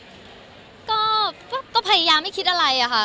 ตอนนี้เรารู้สึกยังไงบ้างจันทร์ก็รู้สึกว่าเอ่อก็ก็พยายามไม่คิดอะไรอะค่ะ